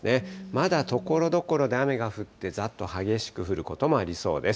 まだところどころで雨が降って、ざっと激しく降ることもありそうです。